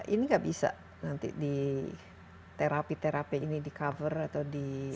ini nggak bisa nanti di terapi terapi ini di cover atau di